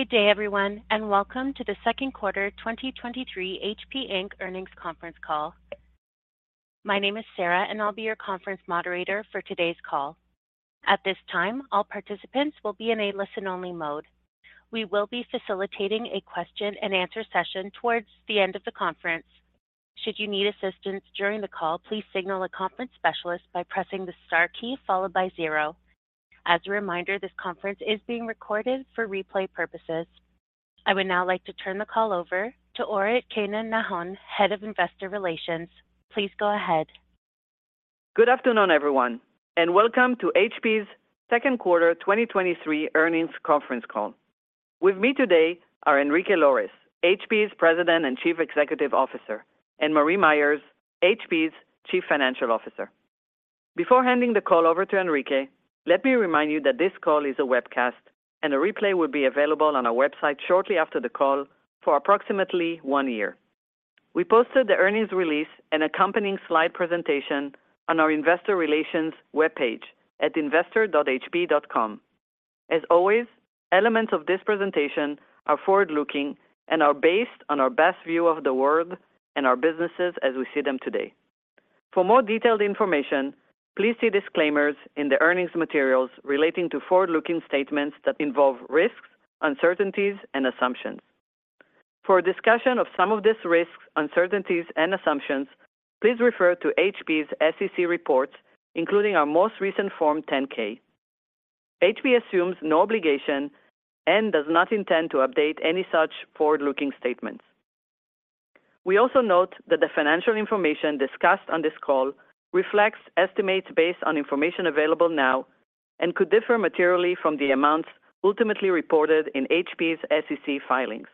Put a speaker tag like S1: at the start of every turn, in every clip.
S1: Good day, everyone, welcome to the 2nd quarter 2023 HP Inc. earnings conference call. My name is Sarah, and I'll be your conference moderator for today's call. At this time, all participants will be in a listen-only mode. We will be facilitating a question and answer session towards the end of the conference. Should you need assistance during the call, please signal a conference specialist by pressing the star key followed by zero. As a reminder, this conference is being recorded for replay purposes. I would now like to turn the call over to Orit Keinan-Nahon, Head of Investor Relations. Please go ahead.
S2: Good afternoon, everyone, and welcome to HP's second quarter 2023 earnings conference call. With me today are Enrique Lores, HP's President and Chief Executive Officer, and Marie Myers, HP's Chief Financial Officer. Before handing the call over to Enrique, let me remind you that this call is a webcast and a replay will be available on our website shortly after the call for approximately one year. We posted the earnings release and accompanying slide presentation on our investor relations webpage at investor.hp.com. As always, elements of this presentation are forward-looking and are based on our best view of the world and our businesses as we see them today. For more detailed information, please see disclaimers in the earnings materials relating to forward-looking statements that involve risks, uncertainties, and assumptions. For a discussion of some of these risks, uncertainties, and assumptions, please refer to HP's SEC reports, including our most recent form 10-K. HP assumes no obligation and does not intend to update any such forward-looking statements. We also note that the financial information discussed on this call reflects estimates based on information available now and could differ materially from the amounts ultimately reported in HP's SEC filings.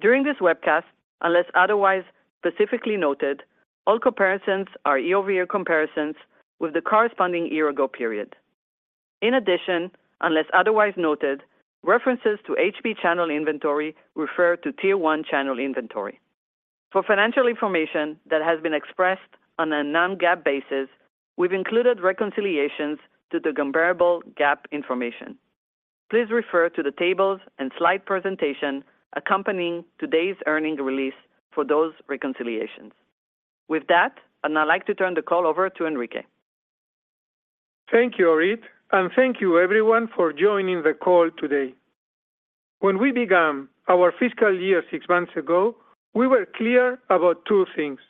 S2: During this webcast, unless otherwise specifically noted, all comparisons are year-over-year comparisons with the corresponding year-ago period. In addition, unless otherwise noted, references to HP channel inventory refer to Tier 1 channel inventory. For financial information that has been expressed on a non-GAAP basis, we've included reconciliations to the comparable GAAP information. Please refer to the tables and slide presentation accompanying today's earnings release for those reconciliations. With that, I'd now like to turn the call over to Enrique.
S3: Thank you, Orit, and thank you everyone for joining the call today. When we began our fiscal year six months ago, we were clear about two things.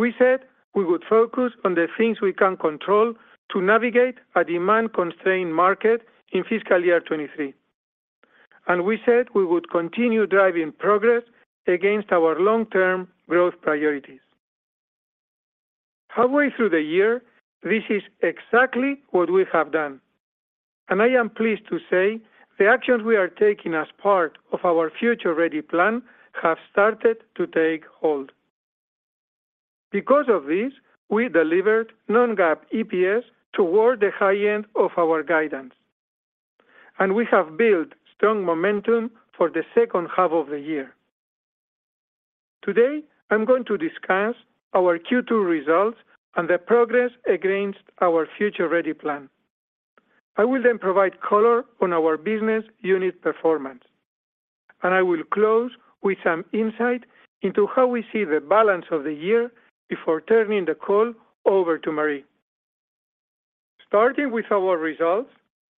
S3: We said we would focus on the things we can control to navigate a demand-constrained market in fiscal year 2023, and we said we would continue driving progress against our long-term growth priorities. Halfway through the year, this is exactly what we have done, and I am pleased to say the actions we are taking as part of our future-ready plan have started to take hold. Because of this, we delivered non-GAAP EPS toward the high end of our guidance, and we have built strong momentum for the second half of the year. Today, I'm going to discuss our Q2 results and the progress against our future-ready plan. I will then provide color on our business unit performance, and I will close with some insight into how we see the balance of the year before turning the call over to Marie. Starting with our results,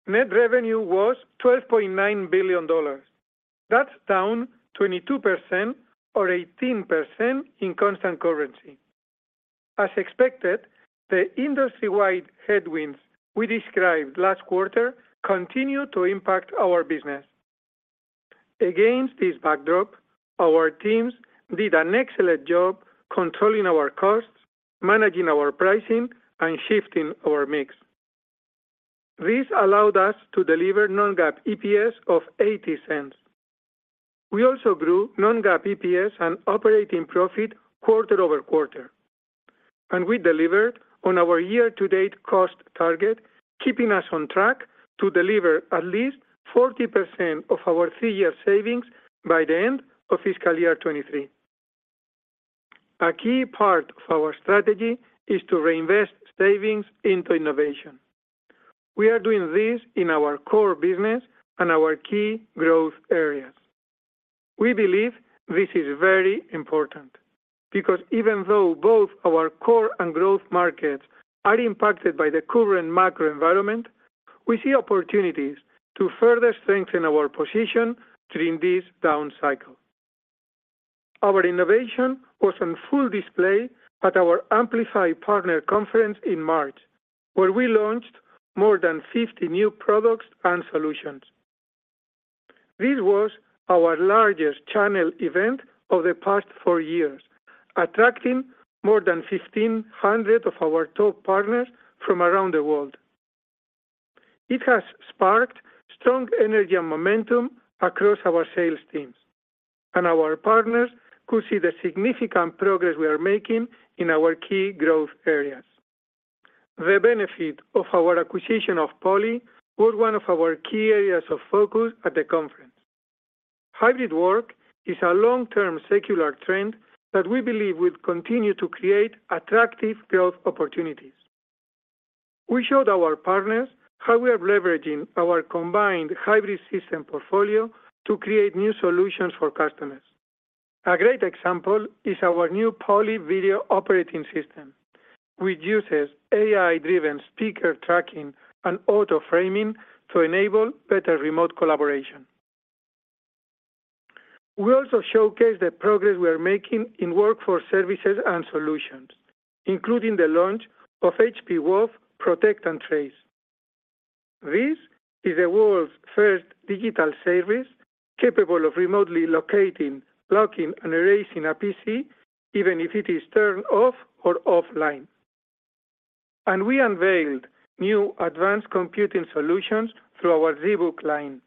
S3: net revenue was $12.9 billion. That's down 22% or 18% in constant currency. As expected, the industry-wide headwinds we described last quarter continue to impact our business. Against this backdrop, our teams did an excellent job controlling our costs, managing our pricing, and shifting our mix. This allowed us to deliver non-GAAP EPS of $0.80. We also grew non-GAAP EPS and operating profit quarter-over-quarter, and we delivered on our year-to-date cost target, keeping us on track to deliver at least 40% of our three-year savings by the end of fiscal year 2023. A key part of our strategy is to reinvest savings into innovation. We are doing this in our core business and our key growth areas. We believe this is very important because even though both our core and growth markets are impacted by the current macro environment, we see opportunities to further strengthen our position during this down cycle. Our innovation was on full display at our Amplify Partner Conference in March, where we launched more than 50 new products and solutions. This was our largest channel event of the past four years, attracting more than 1,500 of our top partners from around the world. It has sparked strong energy and momentum across our sales teams, and our partners could see the significant progress we are making in our key growth areas. The benefit of our acquisition of Poly was one of our key areas of focus at the conference. Hybrid work is a long-term secular trend that we believe will continue to create attractive growth opportunities. We showed our partners how we are leveraging our combined hybrid system portfolio to create new solutions for customers. A great example is our new Poly VideoOS operating system, which uses AI-driven speaker tracking and auto-framing to enable better remote collaboration. We also showcased the progress we are making in workforce services and solutions, including the launch of HP Wolf Protect and Trace. This is the world's first digital service capable of remotely locating, locking, and erasing a PC, even if it is turned off or offline. We unveiled new advanced computing solutions through our ZBook line,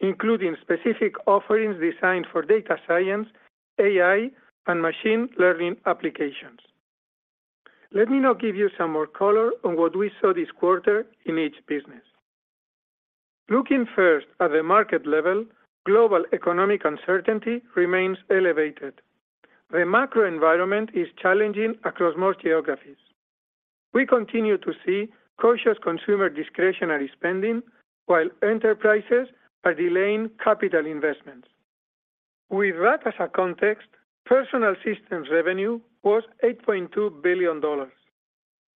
S3: including specific offerings designed for data science, AI, and machine learning applications. Let me now give you some more color on what we saw this quarter in each business. Looking first at the market level, global economic uncertainty remains elevated. The macro environment is challenging across most geographies. We continue to see cautious consumer discretionary spending, while enterprises are delaying capital investments. With that as a context, Personal Systems revenue was $8.2 billion.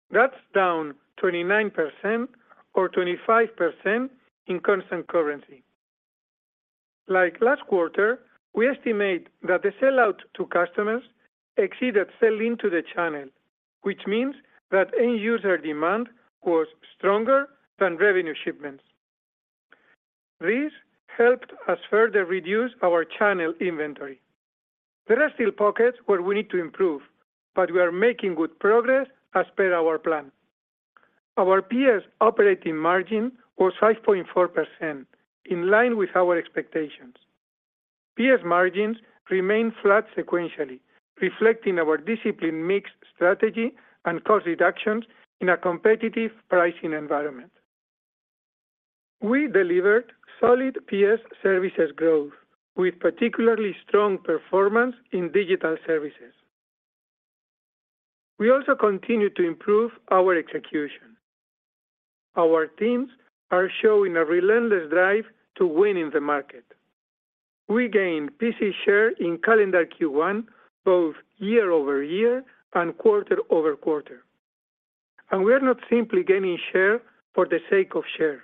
S3: That's down 29%, or 25% in constant currency. Like last quarter, we estimate that the sell out to customers exceeded sell-in to the channel, which means that end user demand was stronger than revenue shipments. This helped us further reduce our channel inventory. There are still pockets where we need to improve, but we are making good progress as per our plan. Our PS operating margin was 5.4%, in line with our expectations. PS margins remained flat sequentially, reflecting our disciplined mix strategy and cost reductions in a competitive pricing environment. We delivered solid PS services growth, with particularly strong performance in digital services. We also continued to improve our execution. Our teams are showing a relentless drive to win in the market. We gained PC share in calendar Q1, both year-over-year and quarter-over-quarter. We are not simply gaining share for the sake of share.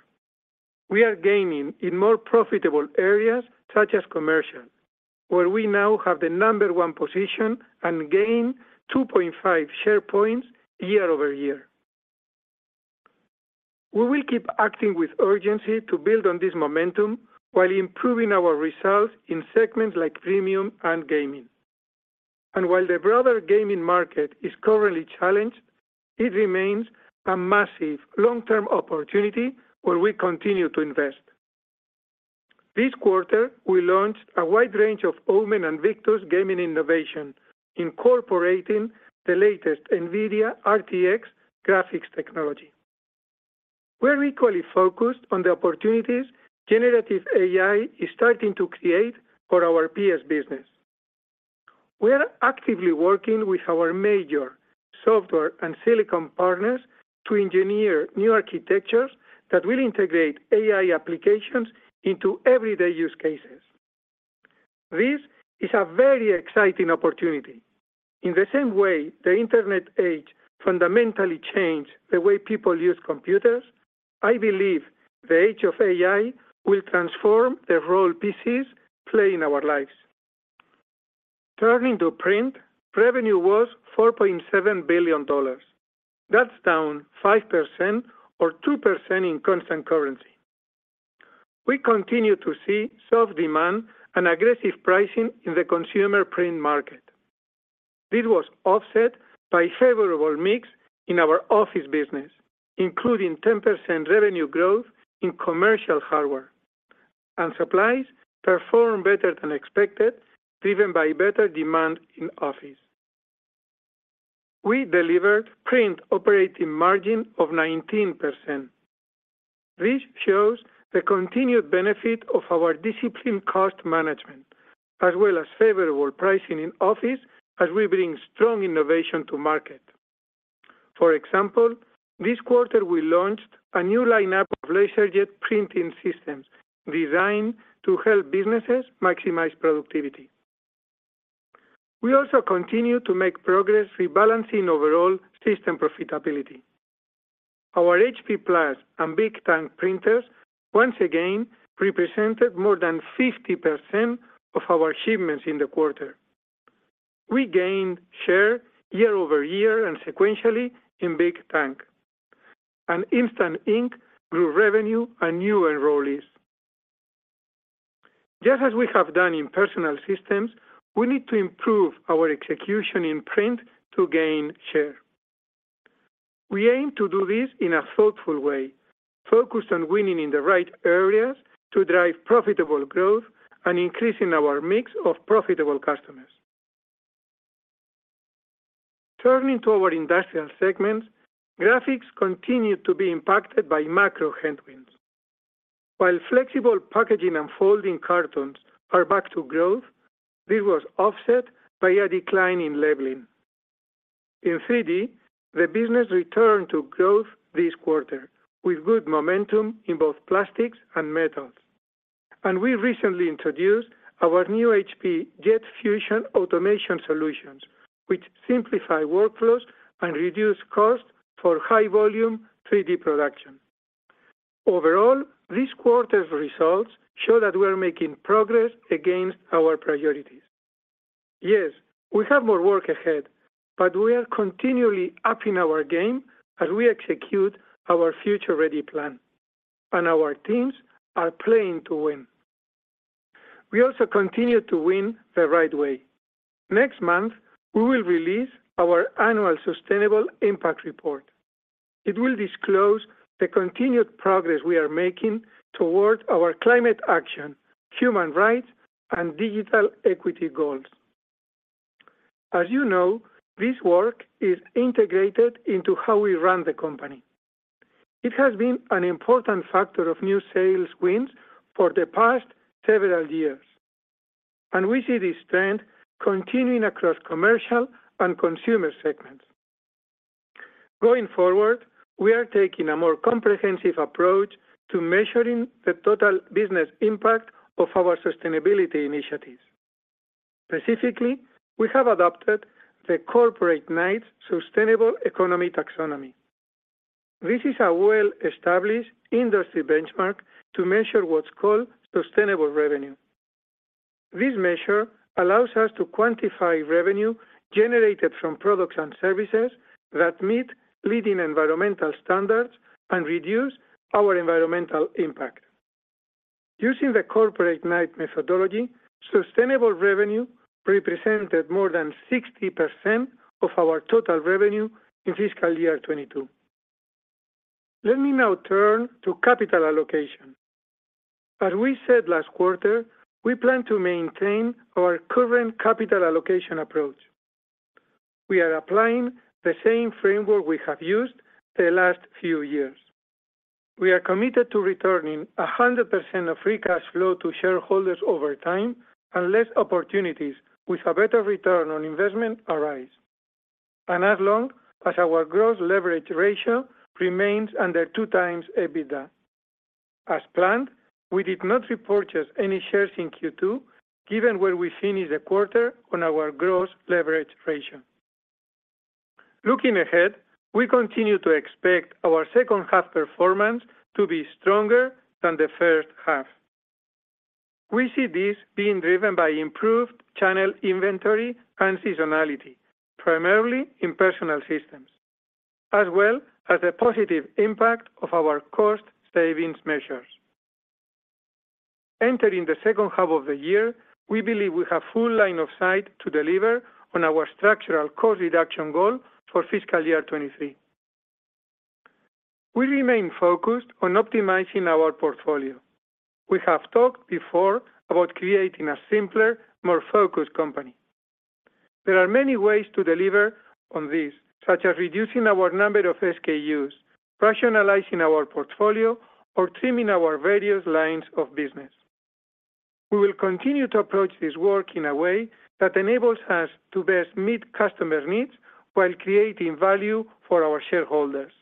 S3: We are gaining in more profitable areas, such as commercial, where we now have the number one position and gained 2.5 share points year-over-year. We will keep acting with urgency to build on this momentum while improving our results in segments like premium and gaming. While the broader gaming market is currently challenged, it remains a massive long-term opportunity where we continue to invest. This quarter, we launched a wide range of OMEN and Victus gaming innovation, incorporating the latest NVIDIA RTX graphics technology. We're equally focused on the opportunities generative AI is starting to create for our PS business. We are actively working with our major software and silicon partners to engineer new architectures that will integrate AI applications into everyday use cases. This is a very exciting opportunity. In the same way the internet age fundamentally changed the way people use computers, I believe the age of AI will transform the role PCs play in our lives. Turning to Print, revenue was $4.7 billion. That's down 5%, or 2% in constant currency. We continue to see soft demand and aggressive pricing in the consumer print market. This was offset by favorable mix in our office business, including 10% revenue growth in commercial hardware. Supplies performed better than expected, driven by better demand in office. We delivered print operating margin of 19%. This shows the continued benefit of our disciplined cost management, as well as favorable pricing in office as we bring strong innovation to market. For example, this quarter, we launched a new lineup of LaserJet printing systems designed to help businesses maximize productivity. We also continue to make progress rebalancing overall system profitability. Our HP+ and Big Tank printers once again represented more than 50% of our shipments in the quarter. We gained share year-over-year and sequentially in Big Tank. Instant Ink grew revenue and new enrollees. Just as we have done in Personal Systems, we need to improve our execution in Print to gain share. We aim to do this in a thoughtful way, focused on winning in the right areas to drive profitable growth and increasing our mix of profitable customers. Turning to our Industrial segment, Graphics continued to be impacted by macro headwinds.... While flexible packaging and folding cartons are back to growth, this was offset by a decline in labeling. In 3D, the business returned to growth this quarter, with good momentum in both plastics and metals. We recently introduced our new HP Jet Fusion automation solutions, which simplify workflows and reduce costs for high-volume 3D production. Overall, this quarter's results show that we are making progress against our priorities. Yes, we have more work ahead, but we are continually upping our game as we execute our Future Ready plan, and our teams are playing to win. We also continue to win the right way. Next month, we will release our annual sustainable impact report. It will disclose the continued progress we are making towards our climate action, human rights, and digital equity goals. As you know, this work is integrated into how we run the company. It has been an important factor of new sales wins for the past several years, and we see this trend continuing across commercial and consumer segments. Going forward, we are taking a more comprehensive approach to measuring the total business impact of our sustainability initiatives. Specifically, we have adopted the Corporate Knights Sustainable Economy Taxonomy. This is a well-established industry benchmark to measure what's called sustainable revenue. This measure allows us to quantify revenue generated from products and services that meet leading environmental standards and reduce our environmental impact. Using the Corporate Knights methodology, sustainable revenue represented more than 60% of our total revenue in fiscal year 2022. Let me now turn to capital allocation. As we said last quarter, we plan to maintain our current capital allocation approach. We are applying the same framework we have used the last few years. We are committed to returning 100% of free cash flow to shareholders over time, unless opportunities with a better return on investment arise, and as long as our gross leverage ratio remains under 2x EBITDA. As planned, we did not repurchase any shares in Q2, given where we finished the quarter on our gross leverage ratio. Looking ahead, we continue to expect our second half performance to be stronger than the first half. We see this being driven by improved channel inventory and seasonality, primarily in personal systems, as well as the positive impact of our cost savings measures. Entering the second half of the year, we believe we have full line of sight to deliver on our structural cost reduction goal for fiscal year 2023. We remain focused on optimizing our portfolio. We have talked before about creating a simpler, more focused company. There are many ways to deliver on this, such as reducing our number of SKUs, rationalizing our portfolio, or trimming our various lines of business. We will continue to approach this work in a way that enables us to best meet customer needs while creating value for our shareholders.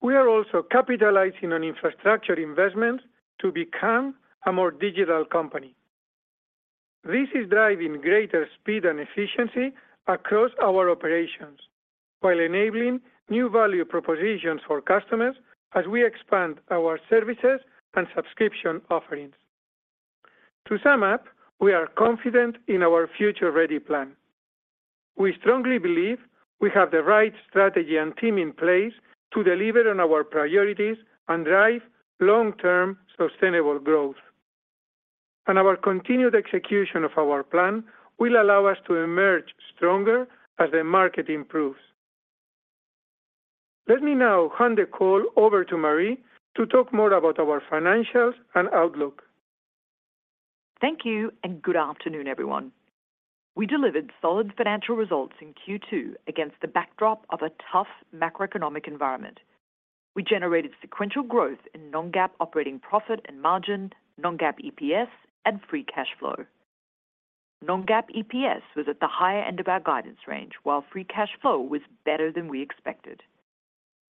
S3: We are also capitalizing on infrastructure investments to become a more digital company. This is driving greater speed and efficiency across our operations while enabling new value propositions for customers as we expand our services and subscription offerings. To sum up, we are confident in our Future Ready plan. We strongly believe we have the right strategy and team in place to deliver on our priorities and drive long-term sustainable growth. Our continued execution of our plan will allow us to emerge stronger as the market improves. Let me now hand the call over to Marie to talk more about our financials and outlook.
S4: Thank you. Good afternoon, everyone. We delivered solid financial results in Q2 against the backdrop of a tough macroeconomic environment. We generated sequential growth in non-GAAP operating profit and margin, non-GAAP EPS, and free cash flow. Non-GAAP EPS was at the higher end of our guidance range, while free cash flow was better than we expected.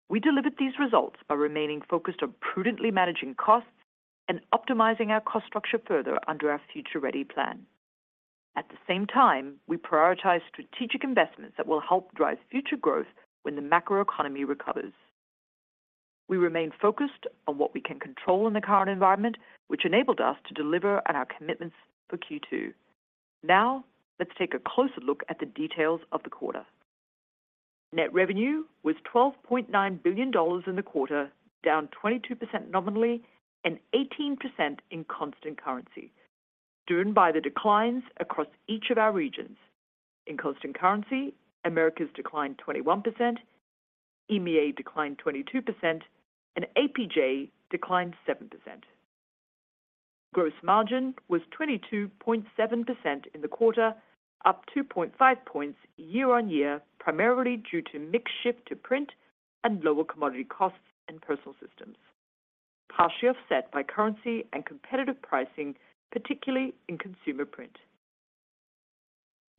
S4: We delivered these results by remaining focused on prudently managing costs and optimizing our cost structure further under our Future Ready plan. At the same time, we prioritized strategic investments that will help drive future growth when the macroeconomy recovers. We remain focused on what we can control in the current environment, which enabled us to deliver on our commitments for Q2. Let's take a closer look at the details of the quarter. Net revenue was $12.9 billion in the quarter, down 22% nominally and 18% in constant currency, driven by the declines across each of our regions. In constant currency, Americas declined 21%, EMEA declined 22%, and APJ declined 7%. Gross margin was 22.7% in the quarter, up 2.5 points year-on-year, primarily due to mix shift to print and lower commodity costs and personal systems, partially offset by currency and competitive pricing, particularly in consumer print.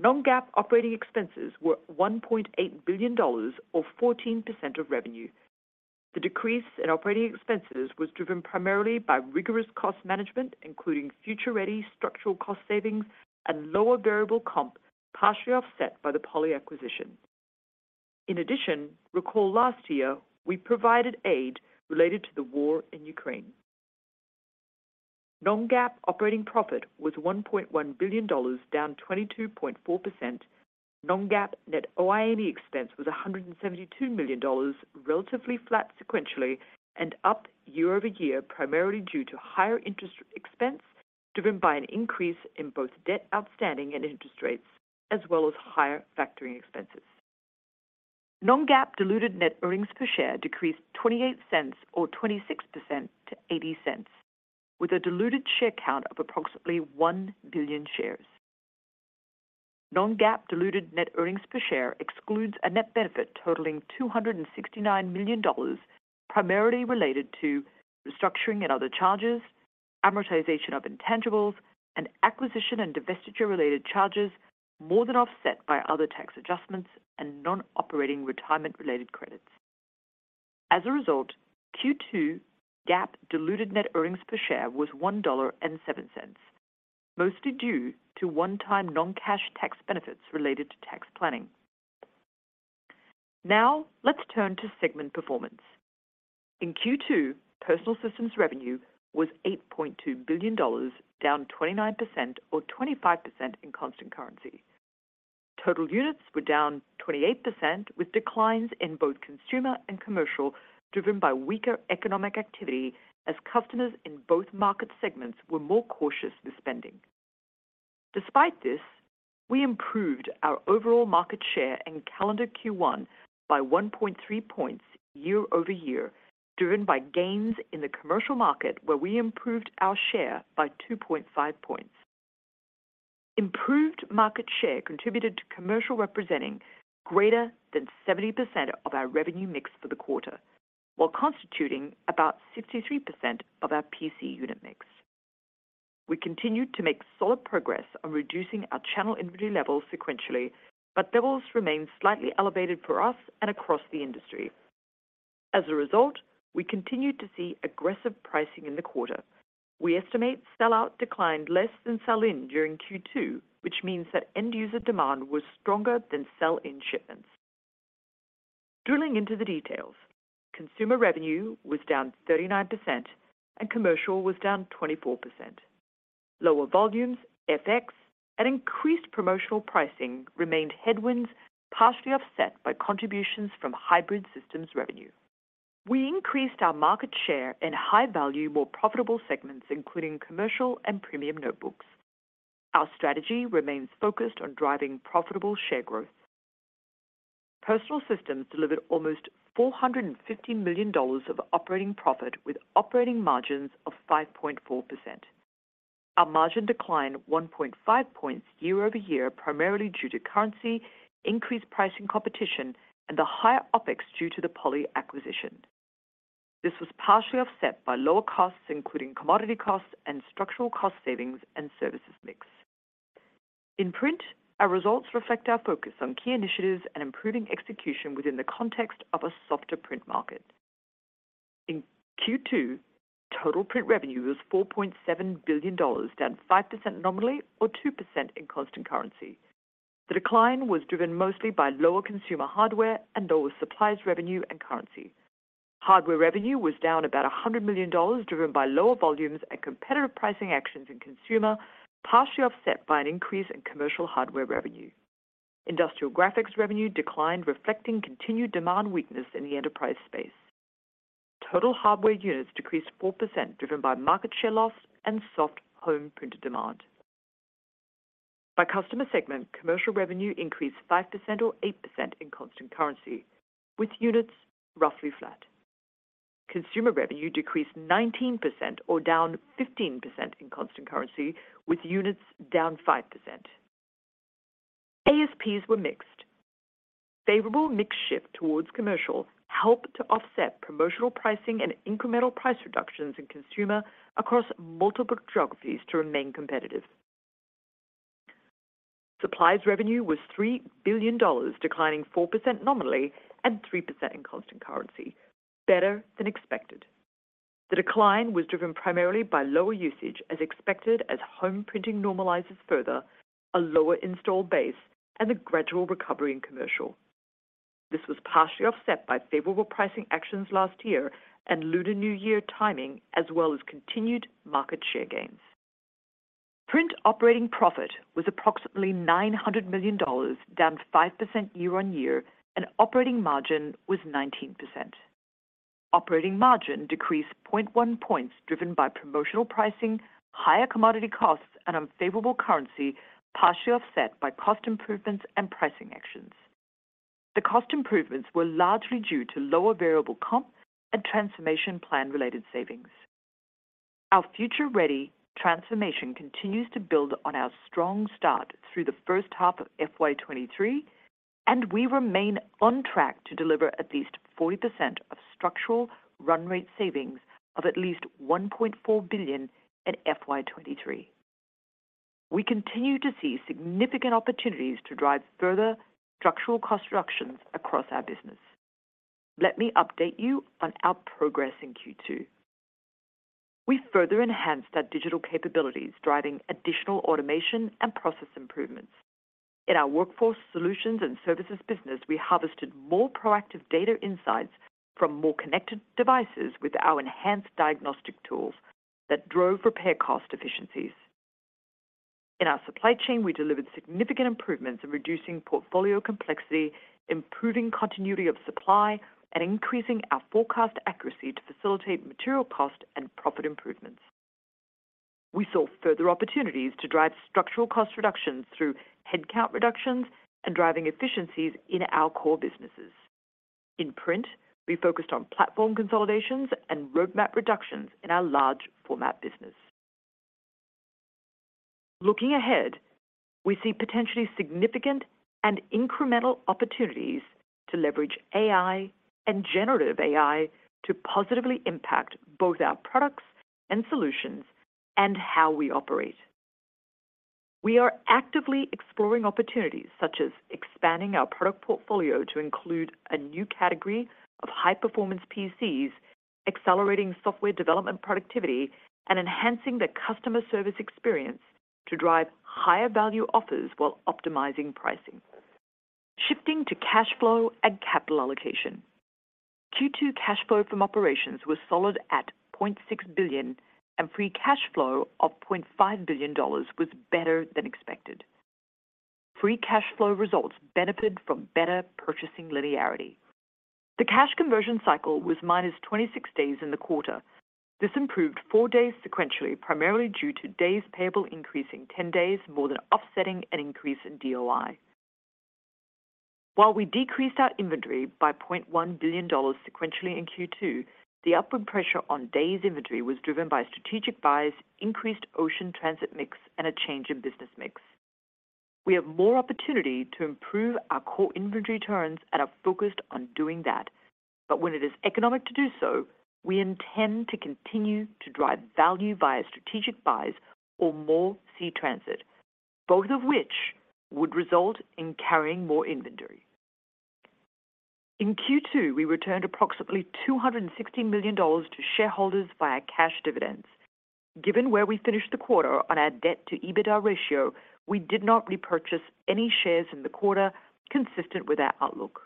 S4: non-GAAP operating expenses were $1.8 billion or 14% of revenue. The decrease in operating expenses was driven primarily by rigorous cost management, including future-ready structural cost savings and lower variable comp, partially offset by the Poly acquisition. Recall last year, we provided aid related to the war in Ukraine. non-GAAP operating profit was $1.1 billion, down 22.4%. non-GAAP net OI&E expense was $172 million, relatively flat sequentially and up year-over-year, primarily due to higher interest expense, driven by an increase in both debt outstanding and interest rates, as well as higher factoring expenses. non-GAAP diluted net earnings per share decreased $0.28 or 26% to $0.80, with a diluted share count of approximately 1 billion shares. non-GAAP diluted net earnings per share excludes a net benefit totaling $269 million, primarily related to restructuring and other charges, amortization of intangibles, and acquisition and divestiture-related charges, more than offset by other tax adjustments and non-operating retirement-related credits. As a result, Q2 GAAP diluted net earnings per share was $1.07, mostly due to one-time non-cash tax benefits related to tax planning. Let's turn to segment performance. In Q2, Personal Systems revenue was $8.2 billion, down 29% or 25% in constant currency. Total units were down 28%, with declines in both consumer and commercial, driven by weaker economic activity as customers in both market segments were more cautious with spending. Despite this, we improved our overall market share in calendar Q1 by 1.3 points year-over-year, driven by gains in the commercial market, where we improved our share by 2.5 points. Improved market share contributed to commercial, representing greater than 70% of our revenue mix for the quarter, while constituting about 63% of our PC unit mix. We continued to make solid progress on reducing our channel inventory levels sequentially, but levels remain slightly elevated for us and across the industry. As a result, we continued to see aggressive pricing in the quarter. We estimate sell out declined less than sell-in during Q2, which means that end-user demand was stronger than sell-in shipments. Drilling into the details, consumer revenue was down 39% and commercial was down 24%. Lower volumes, FX, and increased promotional pricing remained headwinds, partially offset by contributions from hybrid systems revenue. We increased our market share in high-value, more profitable segments, including commercial and premium notebooks. Our strategy remains focused on driving profitable share growth. Personal Systems delivered almost $450 million of operating profit with operating margins of 5.4%. Our margin declined 1.5 points year-over-year, primarily due to currency, increased pricing competition, and the higher OpEx due to the Poly acquisition. This was partially offset by lower costs, including commodity costs and structural cost savings and services mix. In print, our results reflect our focus on key initiatives and improving execution within the context of a softer print market. In Q2, total print revenue was $4.7 billion, down 5% nominally or 2% in constant currency. The decline was driven mostly by lower consumer hardware and lower supplies revenue and currency. Hardware revenue was down about $100 million, driven by lower volumes and competitive pricing actions in consumer, partially offset by an increase in commercial hardware revenue. Industrial graphics revenue declined, reflecting continued demand weakness in the enterprise space. Total hardware units decreased 4%, driven by market share loss and soft home printer demand. By customer segment, commercial revenue increased 5% or 8% in constant currency, with units roughly flat. Consumer revenue decreased 19% or down 15% in constant currency, with units down 5%. ASPs were mixed. Favorable mix shift towards commercial helped to offset promotional pricing and incremental price reductions in consumer across multiple geographies to remain competitive. Supplies revenue was $3 billion, declining 4% nominally and 3% in constant currency, better than expected. The decline was driven primarily by lower usage, as expected, as home printing normalizes further, a lower installed base, and a gradual recovery in commercial. This was partially offset by favorable pricing actions last year and Lunar New Year timing, as well as continued market share gains. Print operating profit was approximately $900 million, down 5% year-on-year, and operating margin was 19%. Operating margin decreased 0.1 points, driven by promotional pricing, higher commodity costs, and unfavorable currency, partially offset by cost improvements and pricing actions. The cost improvements were largely due to lower variable comp and transformation plan-related savings. Our Future Ready transformation continues to build on our strong start through the first half of FY '23, and we remain on track to deliver at least 40% of structural run rate savings of at least $1.4 billion in FY '23. We continue to see significant opportunities to drive further structural cost reductions across our business. Let me update you on our progress in Q2. We further enhanced our digital capabilities, driving additional automation and process improvements. In our workforce solutions and services business, we harvested more proactive data insights from more connected devices with our enhanced diagnostic tools that drove repair cost efficiencies. In our supply chain, we delivered significant improvements in reducing portfolio complexity, improving continuity of supply, and increasing our forecast accuracy to facilitate material cost and profit improvements. We saw further opportunities to drive structural cost reductions through headcount reductions and driving efficiencies in our core businesses. In Print, we focused on platform consolidations and roadmap reductions in our large format business. Looking ahead, we see potentially significant and incremental opportunities to leverage AI and generative AI to positively impact both our products and solutions and how we operate. We are actively exploring opportunities, such as expanding our product portfolio to include a new category of high-performance PCs, accelerating software development productivity, and enhancing the customer service experience to drive higher value offers while optimizing pricing. Shifting to cash flow and capital allocation. Q2 cash flow from operations was solid at $0.6 billion, and free cash flow of $0.5 billion was better than expected. Free cash flow results benefited from better purchasing linearity. The cash conversion cycle was -26 days in the quarter. This improved four days sequentially, primarily due to days payable increasing 10 days, more than offsetting an increase in DSI. While we decreased our inventory by $0.1 billion sequentially in Q2, the upward pressure on days inventory was driven by strategic buys, increased sea transit mix, and a change in business mix. We have more opportunity to improve our core inventory turns and are focused on doing that. When it is economic to do so, we intend to continue to drive value via strategic buys or more sea transit, both of which would result in carrying more inventory. In Q2, we returned approximately $260 million to shareholders via cash dividends. Given where we finished the quarter on our debt to EBITDA ratio, we did not repurchase any shares in the quarter consistent with our outlook.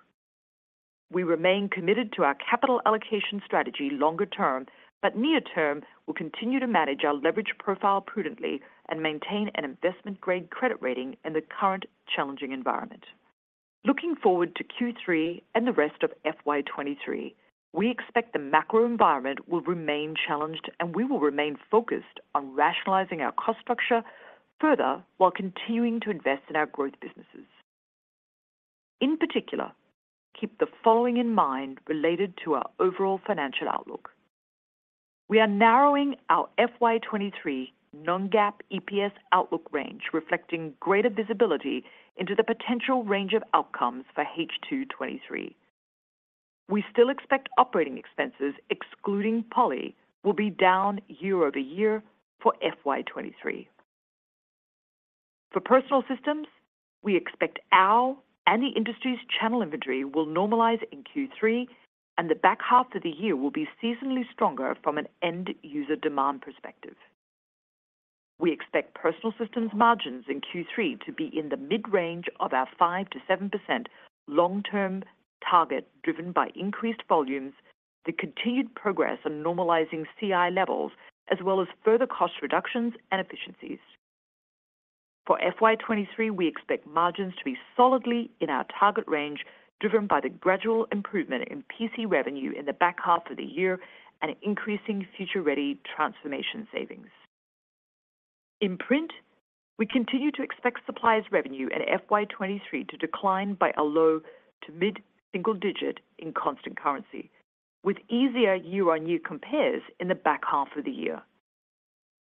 S4: We remain committed to our capital allocation strategy longer term, but near term, we'll continue to manage our leverage profile prudently and maintain an investment-grade credit rating in the current challenging environment. Looking forward to Q3 and the rest of FY 2023, we expect the macro environment will remain challenged, and we will remain focused on rationalizing our cost structure further while continuing to invest in our growth businesses. In particular, keep the following in mind related to our overall financial outlook. We are narrowing our FY 2023 non-GAAP EPS outlook range, reflecting greater visibility into the potential range of outcomes for H2 2023. We still expect OpEx, excluding Poly, will be down year-over-year for FY 2023. For Personal Systems, we expect our and the industry's channel inventory will normalize in Q3, and the back half of the year will be seasonally stronger from an end user demand perspective. We expect Personal Systems margins in Q3 to be in the mid-range of our 5%-7% long-term target, driven by increased volumes, the continued progress on normalizing CI levels, as well as further cost reductions and efficiencies. For FY 2023, we expect margins to be solidly in our target range, driven by the gradual improvement in PC revenue in the back half of the year and increasing future-ready transformation savings. In Print, we continue to expect Supplies revenue at FY 2023 to decline by a low to mid-single digit in constant currency, with easier year-on-year compares in the back half of the year.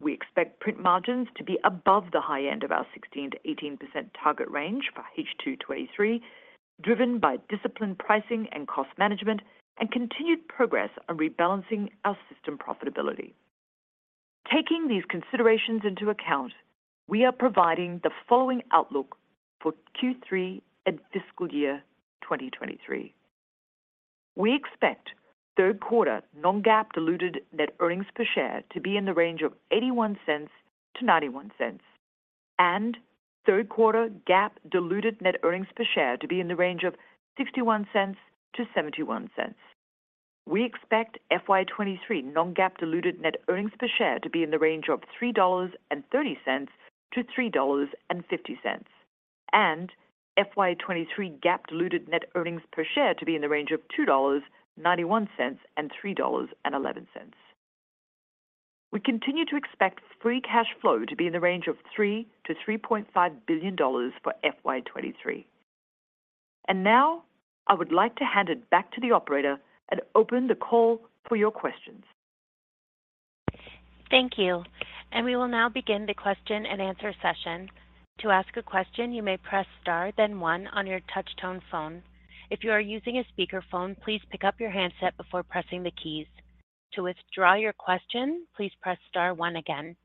S4: We expect Print margins to be above the high end of our 16%-18% target range for H2 2023, driven by disciplined pricing and cost management and continued progress on rebalancing our system profitability. Taking these considerations into account, we are providing the following outlook for Q3 and fiscal year 2023. We expect third quarter non-GAAP diluted net earnings per share to be in the range of $0.81-$0.91, and third quarter GAAP diluted net earnings per share to be in the range of $0.61-$0.71. We expect FY 2023 non-GAAP diluted net earnings per share to be in the range of $3.30-$3.50, and FY 2023 GAAP diluted net earnings per share to be in the range of $2.91 and $3.11. We continue to expect free cash flow to be in the range of $3 billion-$3.5 billion for FY 2023. Now I would like to hand it back to the operator and open the call for your questions.
S1: Thank you. We will now begin the question-and-answer session. To ask a question, you may press star then one on your touch tone phone. If you are using a speakerphone, please pick up your handset before pressing the keys. To withdraw your question, please press star one again.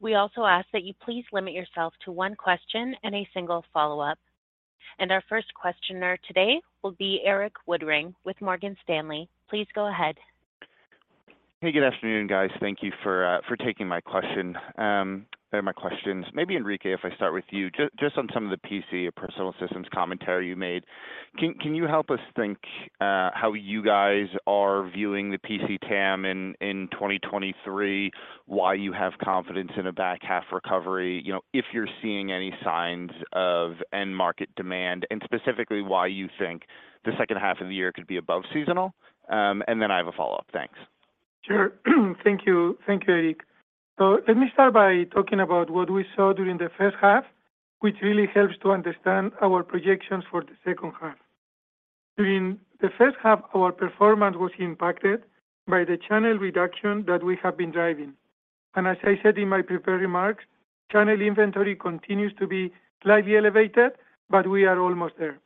S1: We also ask that you please limit yourself to one question and a single follow-up. Our first questioner today will be Erik Woodring with Morgan Stanley. Please go ahead.
S5: Hey, good afternoon, guys. Thank you for for taking my question, or my questions. Maybe, Enrique, if I start with you, just on some of the PC or Personal Systems commentary you made, can you help us think how you guys are viewing the PC TAM in 2023, why you have confidence in a back half recovery, you know, if you're seeing any signs of end-market demand, and specifically why you think the second half of the year could be above seasonal? Then I have a follow-up. Thanks.
S3: Sure. Thank you. Thank you, Erik. Let me start by talking about what we saw during the first half, which really helps to understand our projections for the second half. During the first half, our performance was impacted by the channel reduction that we have been driving. As I said in my prepared remarks, channel inventory continues to be slightly elevated, but we are almost there.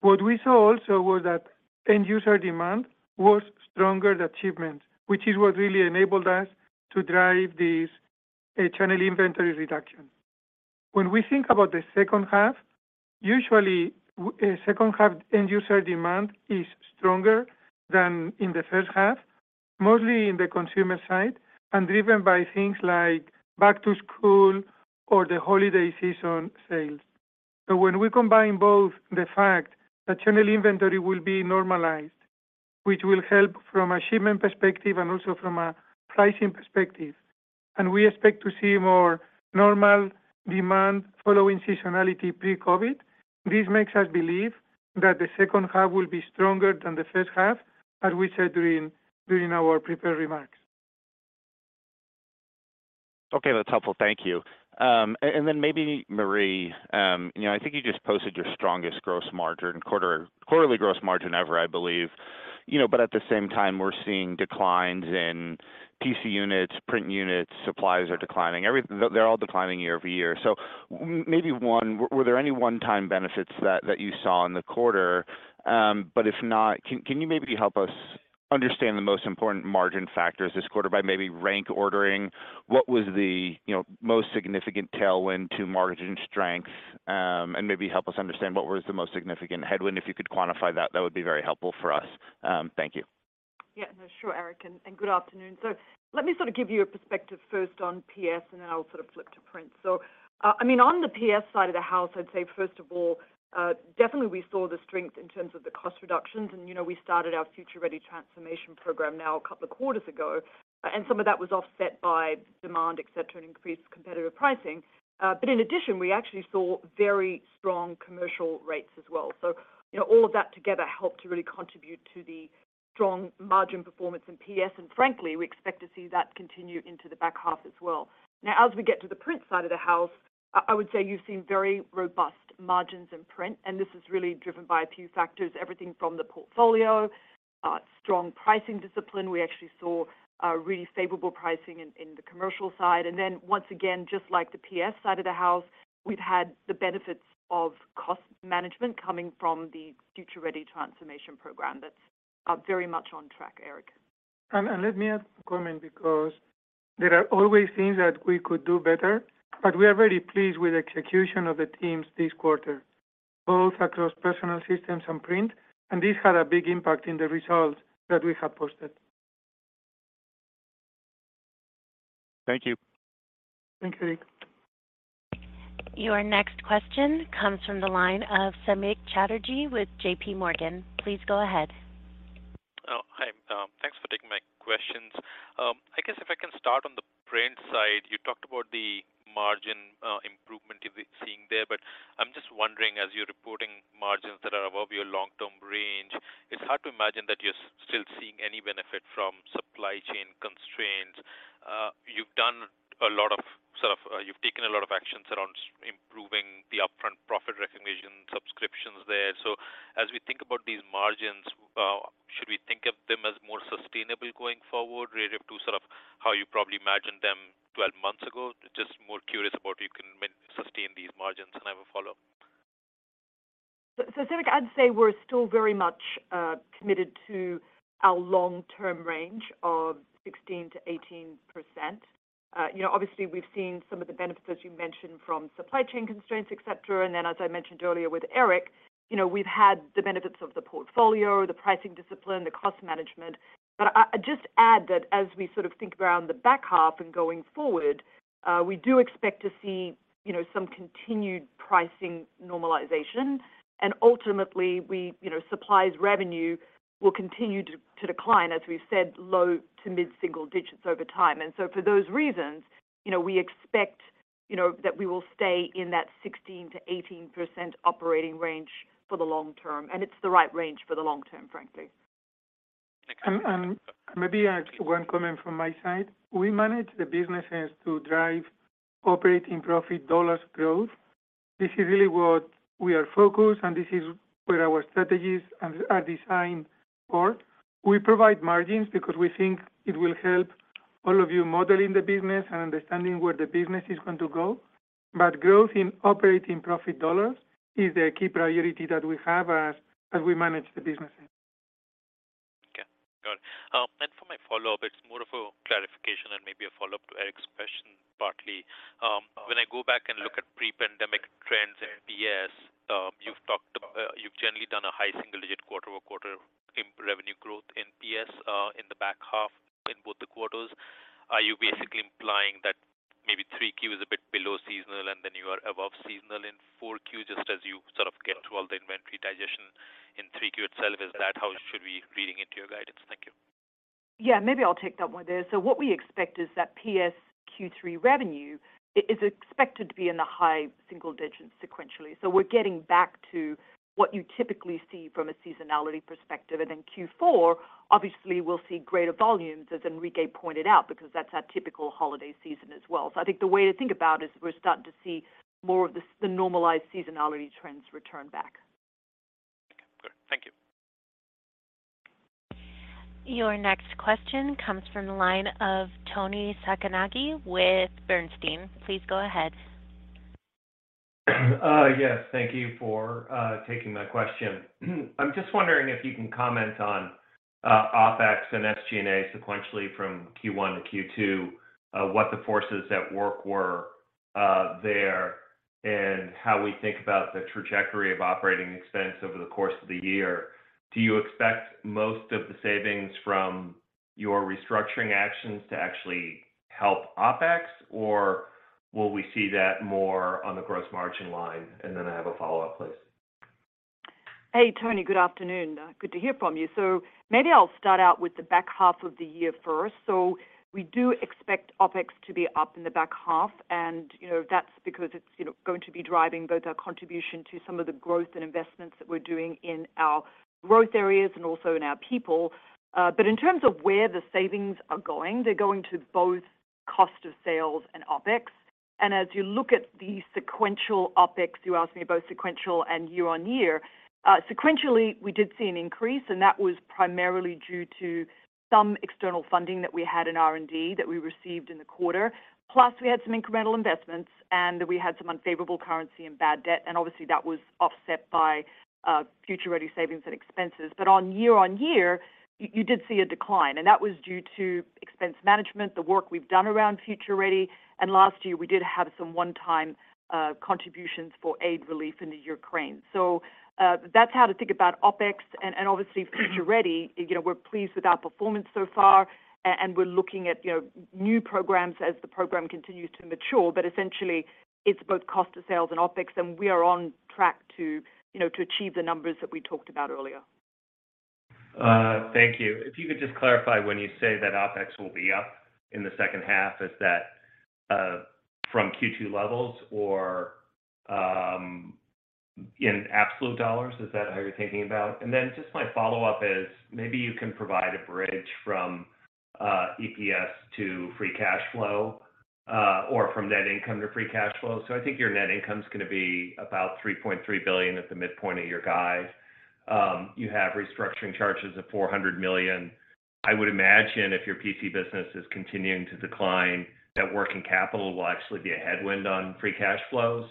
S3: What we saw also was that end-user demand was stronger achievement, which is what really enabled us to drive this channel inventory reduction. When we think about the second half, usually, second half end-user demand is stronger than in the first half, mostly in the consumer side and driven by things like back-to-school or the holiday season sales. When we combine both the fact that channel inventory will be normalized, which will help from a shipment perspective and also from a pricing perspective, and we expect to see more normal demand following seasonality pre-COVID, this makes us believe that the second half will be stronger than the first half, as we said during our prepared remarks.
S5: Okay, that's helpful. Thank you. Maybe, Marie, you know, I think you just posted your strongest gross margin quarterly gross margin ever, I believe. You know, at the same time, we're seeing declines in PC units, print units, supplies are declining, everything, they're all declining year-over-year. Maybe one, were there any one-time benefits that you saw in the quarter? If not, can you maybe help us understand the most important margin factors this quarter by maybe rank ordering? What was the, you know, most significant tailwind to margin strength? Maybe help us understand what was the most significant headwind? If you could quantify that would be very helpful for us. Thank you.
S4: Yeah, sure, Erik, and good afternoon. Let me sort of give you a perspective first on PS, and then I'll sort of flip to print. I mean, on the PS side of the house, I'd say, first of all, definitely we saw the strength in terms of the cost reductions. You know, we started our future-ready transformation program now a couple of quarters ago, and some of that was offset by demand, et cetera, and increased competitive pricing. In addition, we actually saw very strong commercial rates as well. You know, all of that together helped to really contribute to the strong margin performance in PS, and frankly, we expect to see that continue into the back half as well. As we get to the print side of the house, I would say you've seen very robust margins in print, this is really driven by a few factors, everything from the portfolio, strong pricing discipline. We actually saw really favorable pricing in the commercial side. Then once again, just like the PS side of the house, we've had the benefits of cost management coming from the Future Ready transformation program. That's very much on track, Erik.
S3: Let me add a comment because there are always things that we could do better, but we are very pleased with the execution of the teams this quarter, both across Personal Systems and Print, and this had a big impact in the results that we have posted.
S5: Thank you.
S3: Thank you, Erik.
S1: Your next question comes from the line of Samik Chatterjee with J.P. Morgan. Please go ahead.
S6: Hi. Thanks for taking my questions. I guess if I can start on the print side, you talked about the margin improvement you've seeing there, I'm just wondering, as you're reporting margins that are above your long-term range, it's hard to imagine that you're still seeing any benefit from supply chain constraints. You've done a lot of, sort of, you've taken a lot of actions around improving the upfront profit recognition subscriptions there. As we think about these margins, should we think of them as more sustainable going forward relative to sort of how you probably imagined them 12 months ago? Just more curious about you can sustain these margins. I have a follow-up.
S4: Samik, I'd say we're still very much committed to our long-term range of 16%-18%. You know, obviously, we've seen some of the benefits, as you mentioned, from supply chain constraints, et cetera. As I mentioned earlier with Erik, you know, we've had the benefits of the portfolio, the pricing discipline, the cost management. I just add that as we sort of think around the back half and going forward, we do expect to see, you know, some continued pricing normalization. Ultimately, we, you know, supplies revenue will continue to decline, as we've said, low to mid-single digits over time. For those reasons, you know, we expect, you know, that we will stay in that 16%-18% operating range for the long term, and it's the right range for the long term, frankly.
S3: Maybe one comment from my side. We manage the businesses to drive operating profit dollars growth. This is really what we are focused, and this is where our strategies are designed for. We provide margins because we think it will help all of you modeling the business and understanding where the business is going to go. Growth in operating profit dollars is the key priority that we have as we manage the businesses.
S6: Okay, got it. For my follow-up, it's more of a clarification and maybe a follow-up to Erik's question, partly. When I go back and look at pre-pandemic trends in PS, you've talked about, you've generally done a high single-digit quarter-over-quarter in revenue growth in PS, in the back half in both the quarters. Are you basically implying that maybe 3Q is a bit below seasonal, and then you are above seasonal in 4Q, just as you sort of get through all the inventory digestion in 3Q itself? Is that how should we reading into your guidance? Thank you.
S4: Maybe I'll take that one there. What we expect is that PS Q3 revenue is expected to be in the high single digits sequentially. We're getting back to what you typically see from a seasonality perspective. Q4, obviously, we'll see greater volumes, as Enrique pointed out, because that's our typical holiday season as well. I think the way to think about it is we're starting to see more of the normalized seasonality trends return back.
S6: Okay, good. Thank you.
S1: Your next question comes from the line of Toni Sacconaghi with Bernstein. Please go ahead.
S7: Yes, thank you for taking my question. I'm just wondering if you can comment on OpEx and SG&A sequentially from Q1 to Q2, what the forces at work were there, and how we think about the trajectory of operating expense over the course of the year. Do you expect most of the savings from your restructuring actions to actually help OpEx, or will we see that more on the gross margin line? I have a follow-up, please.
S4: Hey, Toni, good afternoon. Good to hear from you. Maybe I'll start out with the back half of the year first. We do expect OpEx to be up in the back half, and, you know, that's because it's, you know, going to be driving both our contribution to some of the growth and investments that we're doing in our growth areas and also in our people. But in terms of where the savings are going, they're going to both cost of sales and OpEx. As you look at the sequential OpEx, you asked me about sequential and year-on-year. Sequentially, we did see an increase, and that was primarily due to some external funding that we had in R&D that we received in the quarter. We had some incremental investments, we had some unfavorable currency and bad debt. Obviously, that was offset by Future Ready savings and expenses. On year-on-year, you did see a decline. That was due to expense management, the work we've done around Future Ready, and last year, we did have some one-time contributions for aid relief in the Ukraine. That's how to think about OpEx. Obviously, Future Ready, you know, we're pleased with our performance so far, and we're looking at, you know, new programs as the program continues to mature. Essentially, it's both cost of sales and OpEx. We are on track to, you know, to achieve the numbers that we talked about earlier.
S7: Thank you. If you could just clarify, when you say that OpEx will be up in the second half, is that from Q2 levels or in absolute dollars? Is that how you're thinking about? Just my follow-up is, maybe you can provide a bridge from EPS to free cash flow or from net income to free cash flow. I think your net income is going to be about $3.3 billion at the midpoint of your guide. You have restructuring charges of $400 million. I would imagine if your PC business is continuing to decline, that working capital will actually be a headwind on free cash flow.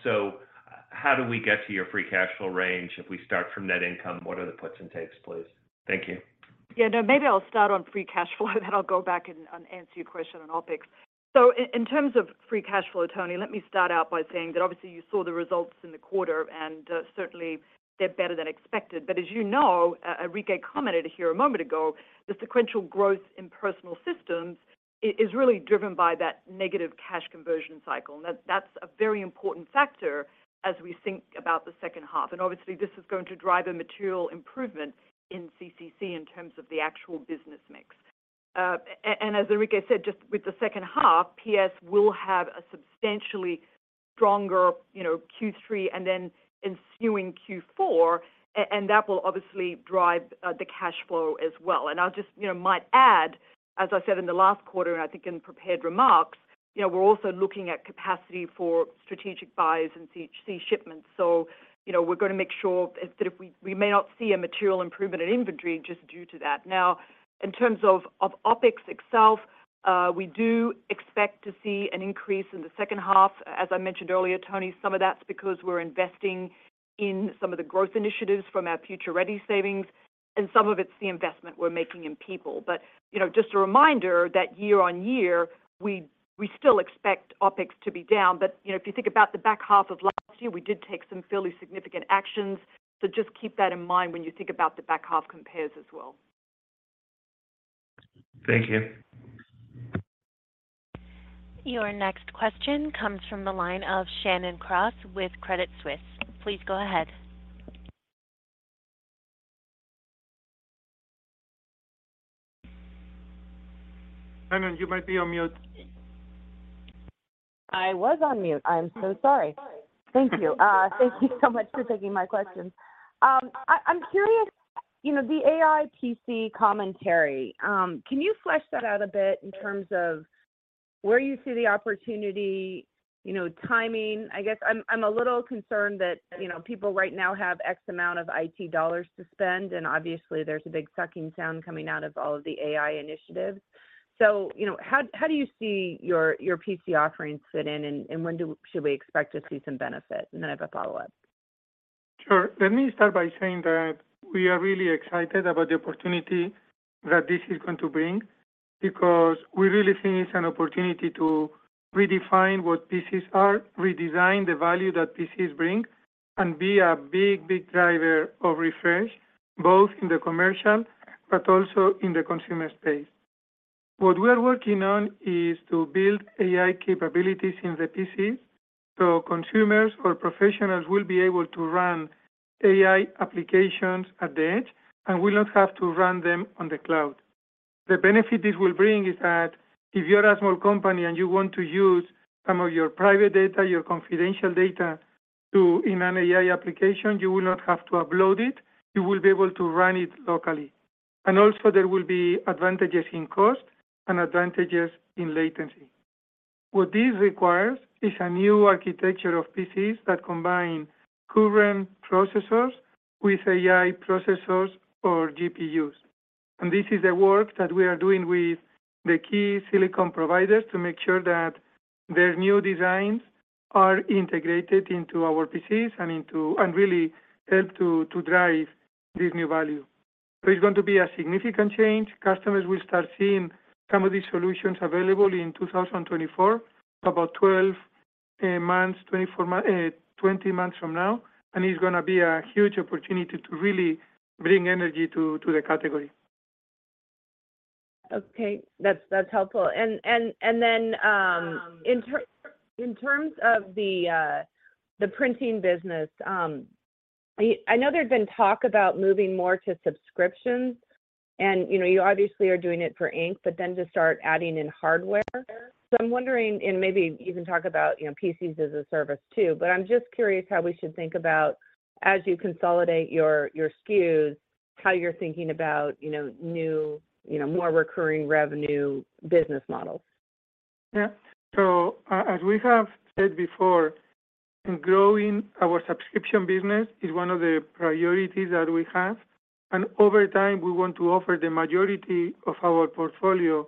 S7: How do we get to your free cash flow range if we start from net income? What are the puts and takes, please? Thank you.
S4: Yeah, no, maybe I'll start on free cash flow, then I'll go back and answer your question on OpEx. In terms of free cash flow, Toni, let me start out by saying that obviously you saw the results in the quarter, and certainly they're better than expected. As you know, Enrique commented here a moment ago, the sequential growth in personal systems is really driven by that negative cash conversion cycle. That's a very important factor as we think about the second half. Obviously, this is going to drive a material improvement in CCC in terms of the actual business mix. As Enrique said, just with the second half, PS will have a substantially stronger, you know, Q3 and then ensuing Q4, and that will obviously drive the cash flow as well. I'll just, you know, might add, as I said in the last quarter, I think in prepared remarks, you know, we're also looking at capacity for strategic buys and sea shipments. You know, we're going to make sure that we may not see a material improvement in inventory just due to that. In terms of OpEx itself, we do expect to see an increase in the second half. As I mentioned earlier, Toni, some of that's because we're investing in some of the growth initiatives from our future-ready savings, and some of it's the investment we're making in people. You know, just a reminder that year-over-year, we still expect OpEx to be down. You know, if you think about the back half of last year, we did take some fairly significant actions. Just keep that in mind when you think about the back half compares as well.
S7: Thank you.
S1: Your next question comes from the line of Shannon Cross with Credit Suisse. Please go ahead.
S3: Shannon, you might be on mute.
S8: I was on mute. I'm so sorry. Thank you. Thank you so much for taking my questions. I'm curious, you know, the AI PC commentary, can you flesh that out a bit in terms of where you see the opportunity, you know, timing? I guess I'm a little concerned that, you know, people right now have X amount of IT dollars to spend, and obviously there's a big sucking sound coming out of all of the AI initiatives. you know, how do you see your PC offerings fit in, and, should we expect to see some benefit? I have a follow-up.
S3: Sure. Let me start by saying that we are really excited about the opportunity that this is going to bring because we really think it's an opportunity to redefine what PCs are, redesign the value that PCs bring, and be a big, big driver of refresh, both in the commercial but also in the consumer space. What we are working on is to build AI capabilities in the PC, so consumers or professionals will be able to run AI applications at the edge and will not have to run them on the cloud. The benefit this will bring is that if you're a small company and you want to use some of your private data, your confidential data, in an AI application, you will not have to upload it. You will be able to run it locally. Also, there will be advantages in cost and advantages in latency. What this requires is a new architecture of PCs that combine current processors with AI processors or GPUs. This is the work that we are doing with the key silicon providers to make sure that their new designs are integrated into our PCs and really help to drive this new value. It's going to be a significant change. Customers will start seeing some of these solutions available in 2024, about 12 months, 24 months, 20 months from now, and it's gonna be a huge opportunity to really bring energy to the category.
S8: Okay. That's helpful. In terms of the printing business, I know there's been talk about moving more to subscriptions, and, you know, you obviously are doing it for Ink, but then to start adding in hardware. I'm wondering, and maybe even talk about, you know, PCs as a service too, but I'm just curious how we should think about, as you consolidate your SKUs, how you're thinking about, you know, new, more recurring revenue business models.
S3: As we have said before, growing our subscription business is one of the priorities that we have. Over time, we want to offer the majority of our portfolio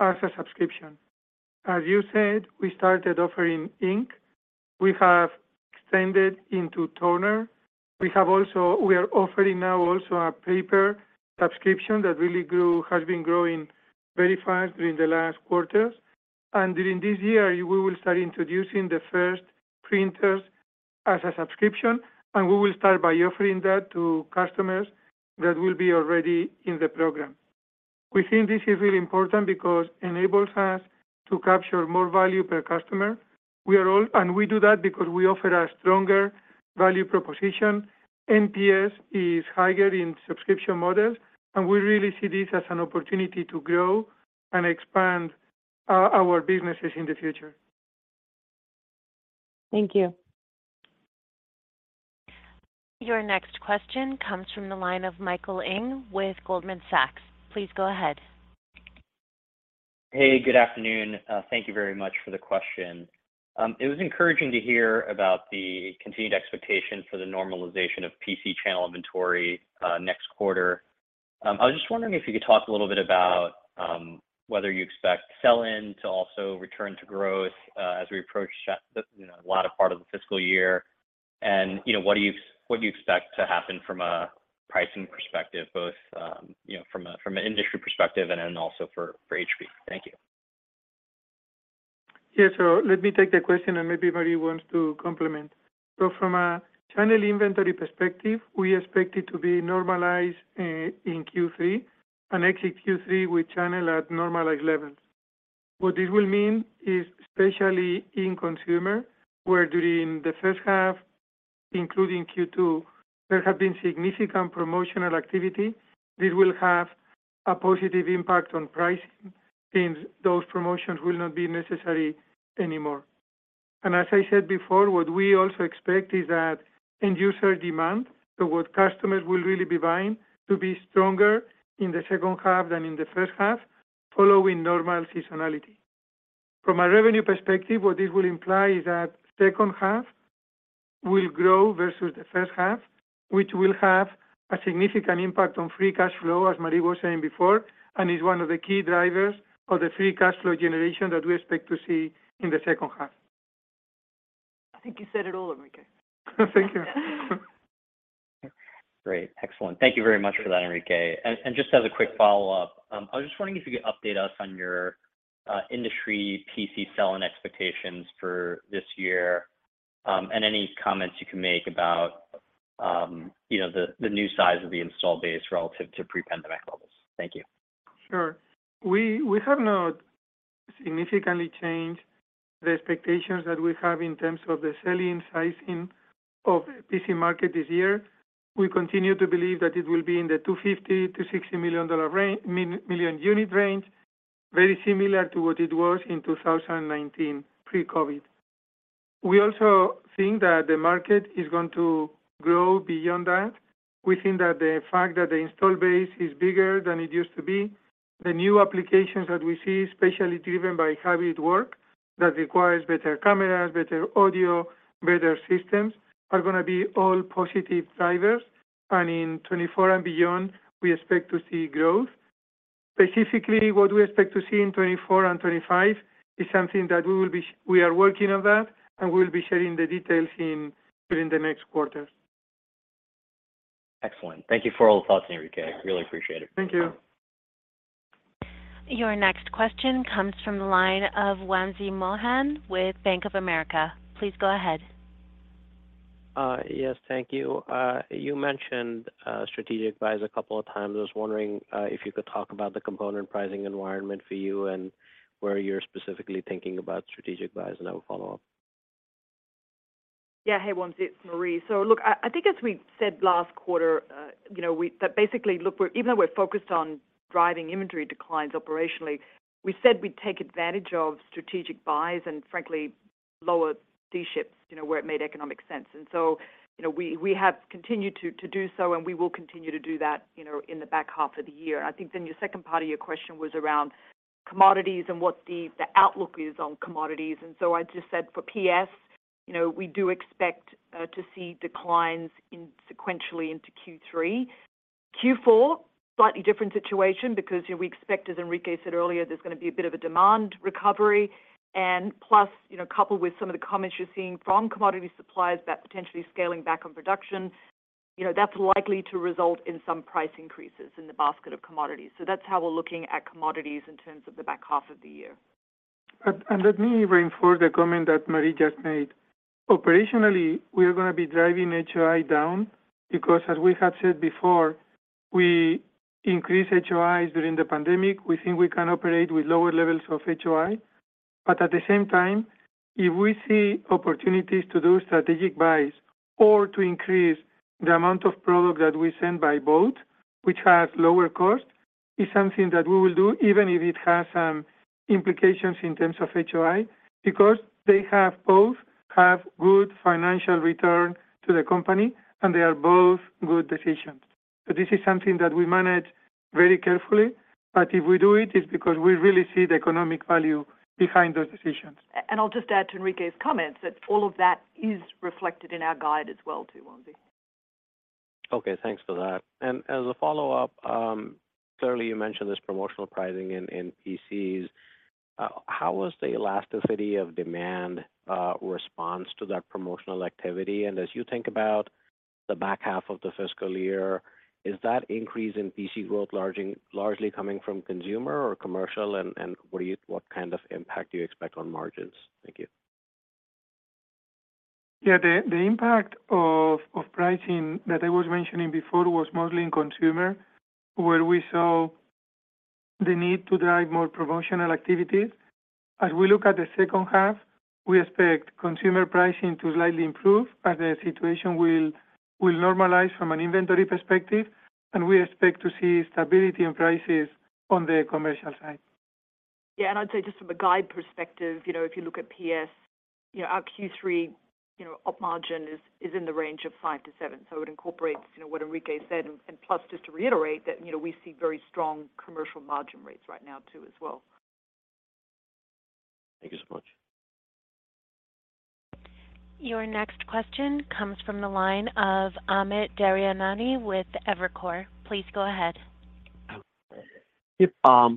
S3: as a subscription. As you said, we started offering Ink. We have extended into toner. We are offering now also a paper subscription that has been growing very fast during the last quarters. During this year, we will start introducing the first printers as a subscription. We will start by offering that to customers that will be already in the program. We think this is really important because enables us to capture more value per customer. We do that because we offer a stronger value proposition. NPS is higher in subscription models. We really see this as an opportunity to grow and expand our businesses in the future.
S8: Thank you.
S1: Your next question comes from the line of Michael Ng with Goldman Sachs. Please go ahead.
S9: Hey, good afternoon. Thank you very much for the question. It was encouraging to hear about the continued expectation for the normalization of PC channel inventory next quarter. I was just wondering if you could talk a little bit about whether you expect sell-in to also return to growth as we approach, you know, latter part of the fiscal year. You know, what do you expect to happen from a pricing perspective, both, you know, from an industry perspective and then also for HP? Thank you.
S3: Yes, let me take the question, and maybe Marie wants to complement. From a channel inventory perspective, we expect it to be normalized in Q3, and exit Q3 with channel at normalized levels. What this will mean is, especially in consumer, where during the first half, including Q2, there have been significant promotional activity, this will have a positive impact on pricing, since those promotions will not be necessary anymore. As I said before, what we also expect is that end user demand, so what customers will really be buying, to be stronger in the second half than in the first half, following normal seasonality. From a revenue perspective, what this will imply is that second half will grow versus the first half, which will have a significant impact on free cash flow, as Marie was saying before, and is one of the key drivers of the free cash flow generation that we expect to see in the second half.
S4: I think you said it all, Enrique.
S3: Thank you.
S9: Great. Excellent. Thank you very much for that, Enrique. Just as a quick follow-up, I was just wondering if you could update us on your industry PC sell-in expectations for this year, and any comments you can make about, you know, the new size of the install base relative to pre-pandemic levels. Thank you.
S3: Sure. We have not significantly changed the expectations that we have in terms of the selling size of PC market this year. We continue to believe that it will be in the 250 to 260 million dollar range, million unit range, very similar to what it was in 2019, pre-COVID. We also think that the market is going to grow beyond that. We think that the fact that the install base is bigger than it used to be, the new applications that we see, especially driven by hybrid work, that requires better cameras, better audio, better systems, are going to be all positive drivers. In 2024 and beyond, we expect to see growth. Specifically, what we expect to see in 2024 and 2025 is something that we are working on that, and we will be sharing the details in, during the next quarter.
S9: Excellent. Thank you for all the thoughts, Enrique. I really appreciate it.
S3: Thank you.
S1: Your next question comes from the line of Wamsi Mohan with Bank of America. Please go ahead.
S10: Yes, thank you. You mentioned strategic buys a couple of times. I was wondering if you could talk about the component pricing environment for you and where you're specifically thinking about strategic buys. I have a follow-up.
S4: Yeah. Hey, Wamsi, it's Marie. Look, I think as we said last quarter, you know, even though we're focused on driving inventory declines operationally, we said we'd take advantage of strategic buys and frankly, lower sea shipments, you know, where it made economic sense. You know, we have continued to do so, and we will continue to do that, you know, in the back half of the year. I think your second part of your question was around commodities and what the outlook is on commodities. I just said for PS, you know, we do expect to see declines in sequentially into Q3. Q4, slightly different situation because, you know, we expect, as Enrique said earlier, there's going to be a bit of a demand recovery. Plus, you know, coupled with some of the comments you're seeing from commodity suppliers about potentially scaling back on production, you know, that's likely to result in some price increases in the basket of commodities. That's how we're looking at commodities in terms of the back half of the year.
S3: Let me reinforce the comment that Marie just made. Operationally, we are going to be driving HOI down because as we have said before, we increased HOIs during the pandemic. We think we can operate with lower levels of HOI. At the same time, if we see opportunities to do strategic buys or to increase the amount of product that we send by boat, which has lower cost, is something that we will do, even if it has some implications in terms of HOI, because they both have good financial return to the company, and they are both good decisions. This is something that we manage very carefully, but if we do it's because we really see the economic value behind those decisions.
S4: I'll just add to Enrique's comments, that all of that is reflected in our guide as well, too, Wamsi.
S10: Okay, thanks for that. As a follow-up, clearly, you mentioned this promotional pricing in PCs. How has the elasticity of demand responds to that promotional activity? As you think about the back half of the fiscal year, is that increase in PC growth largely coming from consumer or commercial? What kind of impact do you expect on margins? Thank you.
S3: The impact of pricing that I was mentioning before was mostly in consumer, where we saw the need to drive more promotional activities. As we look at the second half, we expect consumer pricing to slightly improve as the situation will normalize from an inventory perspective, we expect to see stability in prices on the commercial side.
S4: Yeah, I'd say just from a guide perspective, you know, if you look at PS, you know, our Q3, you know, Op Margin is in the range of 5%-7%. It incorporates, you know, what Enrique said, and plus, just to reiterate that, you know, we see very strong commercial margin rates right now, too, as well.
S10: Thank you so much.
S1: Your next question comes from the line of Amit Daryanani with Evercore. Please go ahead.
S11: Yep,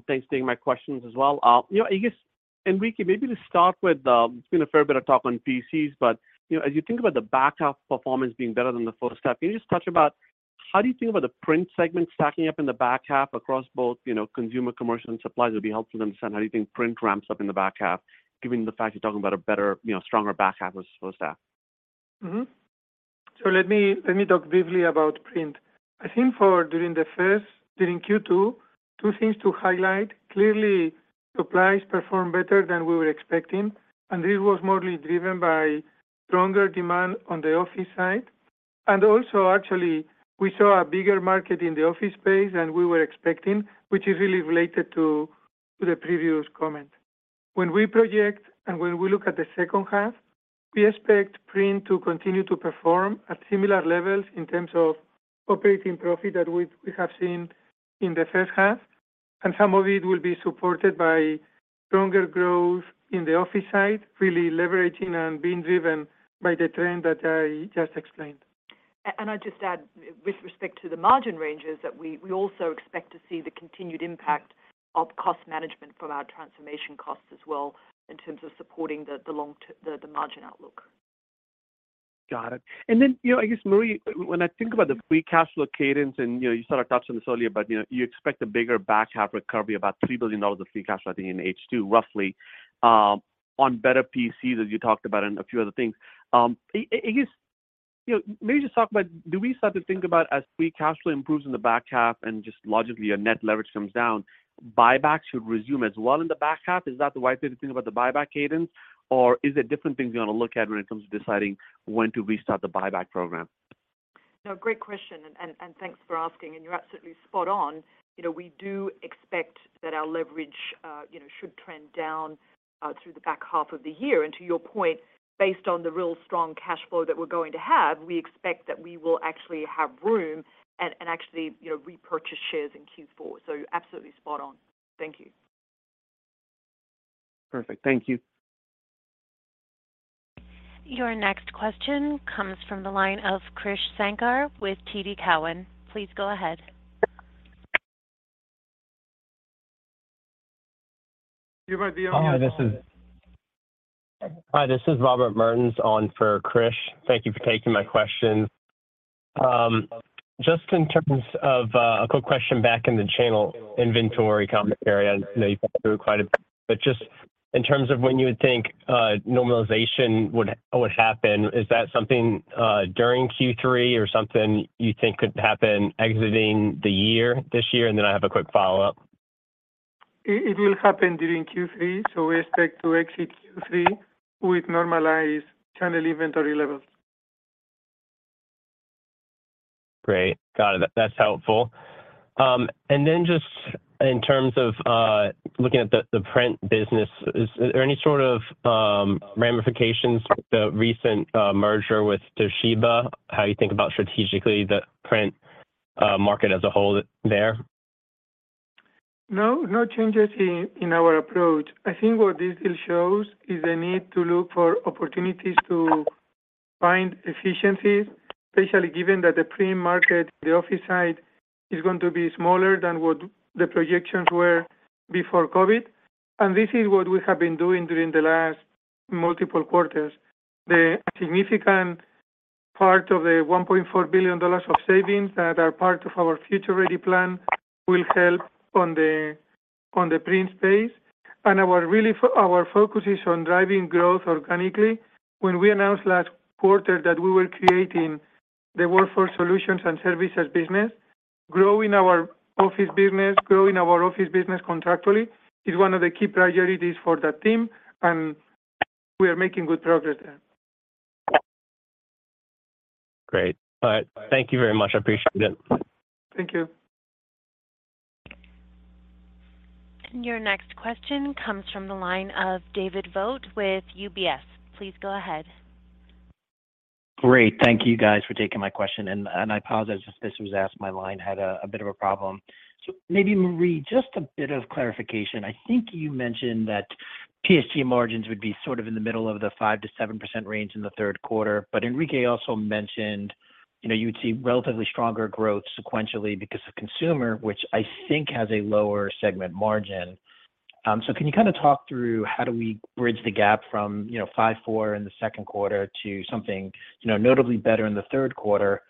S11: thanks for taking my questions as well. You know, I guess, Enrique, maybe to start with, it's been a fair bit of talk on PCs, but, you know, as you think about the back half performance being better than the first half, can you just touch about how do you think about the print segment stacking up in the back half across both, you know, consumer, commercial, and supplies? It'd be helpful to understand how you think print ramps up in the back half, given the fact you're talking about a better, you know, stronger back half as opposed to that.
S3: Let me talk briefly about print. I think during Q2, two things to highlight. Clearly, supplies performed better than we were expecting, and this was mostly driven by stronger demand on the office side. Also, actually, we saw a bigger market in the office space than we were expecting, which is really related to the previous comment. When we project and when we look at the second half, we expect print to continue to perform at similar levels in terms of operating profit that we have seen in the first half. Some of it will be supported by stronger growth in the office side, really leveraging and being driven by the trend that I just explained.
S4: I'd just add, with respect to the margin ranges, that we also expect to see the continued impact of cost management from our transformation costs as well, in terms of supporting the margin outlook.
S11: Got it. Then, you know, I guess, Marie, when I think about the free cash flow cadence, and, you know, you sort of touched on this earlier, you know, you expect a bigger back half recovery, about $3 billion of free cash flow, I think, in H2, roughly, on better PCs, as you talked about, and a few other things. You know, maybe just talk about do we start to think about as free cash flow improves in the back half and just logically your net leverage comes down, buybacks should resume as well in the back half? Is that the right way to think about the buyback cadence, or is it different things you want to look at when it comes to deciding when to restart the buyback program?
S4: No, great question, and thanks for asking, and you're absolutely spot on. You know, we do expect that our leverage, you know, should trend down through the back half of the year. To your point, based on the real strong cash flow that we're going to have, we expect that we will actually have room and actually, you know, repurchase shares in Q4. You're absolutely spot on. Thank you.
S11: Perfect. Thank you.
S1: Your next question comes from the line of Krish Sankar with TD Cowen. Please go ahead.
S3: You might be on mute.
S12: Hi, this is Robert Mertens on for Krish. Thank you for taking my question. Just in terms of a quick question back in the channel inventory commentary, I know you talked through it quite a bit, but just in terms of when you would think normalization would happen, is that something during Q3 or something you think could happen exiting the year, this year? Then I have a quick follow-up.
S3: It will happen during Q3, so we expect to exit Q3 with normalized channel inventory levels.
S12: Great. Got it. That's helpful. Just in terms of looking at the print business, is there any sort of ramifications with the recent merger with Toshiba, how you think about strategically the print market as a whole there?
S3: No changes in our approach. I think what this still shows is a need to look for opportunities to find efficiencies, especially given that the print market, the office side, is going to be smaller than what the projections were before COVID. This is what we have been doing during the last multiple quarters. The significant part of the $1.4 billion of savings that are part of our Future Ready plan will help on the print space. Our focus is on driving growth organically. When we announced last quarter that we were creating the workforce solutions and services business, growing our office business contractually, is one of the key priorities for that team, we are making good progress there.
S12: Great. All right. Thank you very much. I appreciate it.
S3: Thank you.
S1: Your next question comes from the line of David Vogt with UBS. Please go ahead.
S13: Great. Thank you guys for taking my question, and I apologize if this was asked, my line had a bit of a problem. Maybe, Marie, just a bit of clarification. I think you mentioned that PSG margins would be sort of in the middle of the 5%-7% range in the third quarter. Enrique also mentioned, you know, you would see relatively stronger growth sequentially because of consumer, which I think has a lower segment margin. Can you kind of talk through how do we bridge the gap from, you know, 5.4% in the second quarter to something, you know, notably better in the third quarter?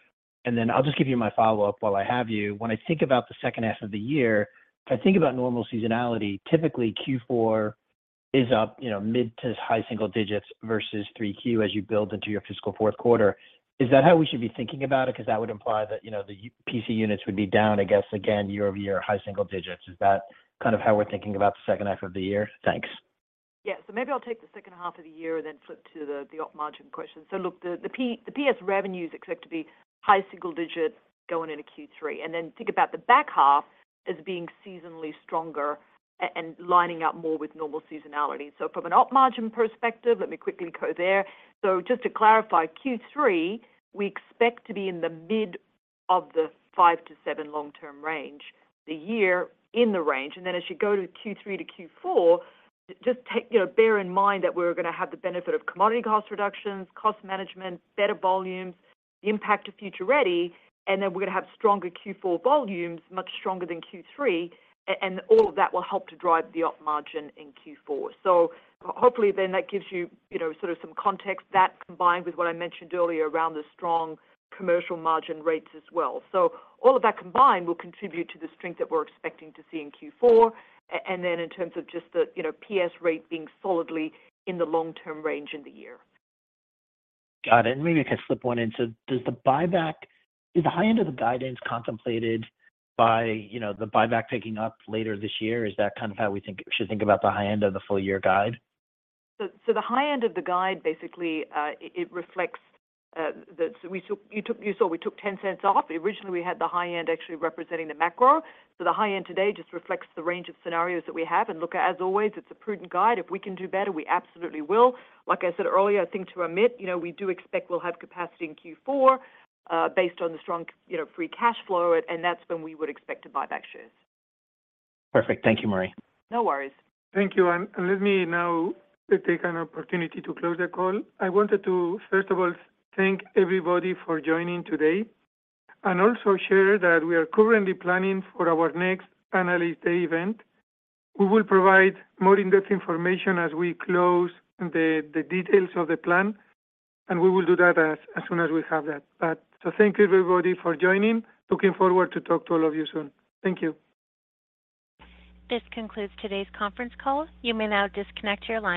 S13: I'll just give you my follow-up while I have you. When I think about the second half of the year, if I think about normal seasonality, typically Q4 is up, you know, mid to high single digits versus 3Q as you build into your fiscal fourth quarter. Is that how we should be thinking about it? Because that would imply that, you know, the PC units would be down, I guess, again, year-over-year, high single digits. Is that kind of how we're thinking about the second half of the year? Thanks.
S4: Yeah. Maybe I'll take the second half of the year and then flip to the op margin question. Look, the PS revenues expect to be high single digits going into Q3, and then think about the back half as being seasonally stronger and lining up more with normal seasonality. From an op margin perspective, let me quickly go there. Just to clarify, Q3, we expect to be in the mid of the 5%-7% long-term range, the year in the range. As you go to Q3 to Q4, just take... You know, bear in mind that we're going to have the benefit of commodity cost reductions, cost management, better volumes, the impact of Future Ready, and then we're going to have stronger Q4 volumes, much stronger than Q3, and all of that will help to drive the op margin in Q4. Hopefully that gives you know, sort of some context. That, combined with what I mentioned earlier around the strong commercial margin rates as well. All of that combined will contribute to the strength that we're expecting to see in Q4, and then in terms of just the, you know, PS rate being solidly in the long-term range in the year.
S13: Got it. maybe I can slip one into, Is the high end of the guidance contemplated by, you know, the buyback picking up later this year? Is that kind of how we should think about the high end of the full year guide?
S4: the high end of the guide, basically, it reflects that you took, you saw we took $0.10 off. Originally, we had the high end actually representing the macro. the high end today just reflects the range of scenarios that we have. look, as always, it's a prudent guide. If we can do better, we absolutely will. Like I said earlier, I think to Amit, you know, we do expect we'll have capacity in Q4, based on the strong you know, free cash flow, and that's when we would expect to buy back shares.
S13: Perfect. Thank you, Marie.
S4: No worries.
S3: Thank you. Let me now take an opportunity to close the call. I wanted to, first of all, thank everybody for joining today and also share that we are currently planning for our next Analyst Day event. We will provide more in-depth information as we close the details of the plan, and we will do that as soon as we have that. Thank you, everybody, for joining. Looking forward to talk to all of you soon. Thank you.
S1: This concludes today's conference call. You may now disconnect your lines.